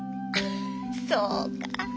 そうか。